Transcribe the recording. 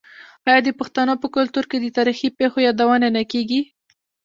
آیا د پښتنو په کلتور کې د تاریخي پیښو یادونه نه کیږي؟